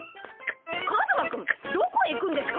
カズマくんどこへ行くんですか？